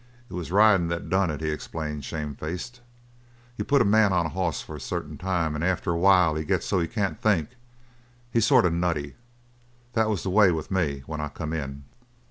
"It was the ridin' that done it," he explained, shame faced. "You put a man on a hoss for a certain time, and after a while he gets so he can't think. He's sort of nutty. That was the way with me when I come in."